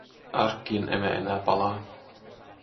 Arkkiin emme enää palaa.